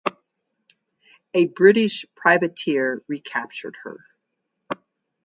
A British privateer recaptured her.